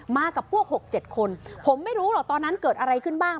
มากับพวก๖๗คนผมไม่รู้หรอกตอนนั้นเกิดอะไรขึ้นบ้าง